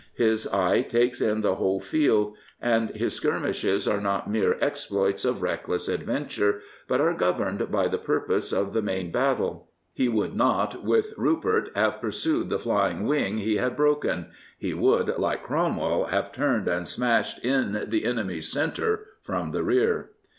His eye takes in the *H 339 Prophets, Priests, and Kings whole field, and his skirmishes are not mere exploits of reckless adventure, but are governed by the pur pose of the main battle. He would not, with Rupert, have pursued the flying wing he had broken: he would, like Cromwell, have turned and smashed in the enemy's centre from the rear.